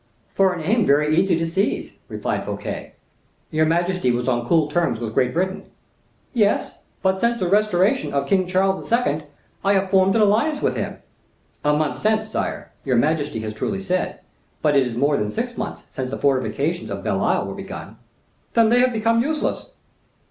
"For an aim very easy to seize," replied Fouquet. "Your majesty was on cool terms with Great Britain." "Yes; but since the restoration of King Charles II. I have formed an alliance with him." "A month since, sire, your majesty has truly said; but it is more than six months since the fortifications of Belle Isle were begun." "Then they have become useless."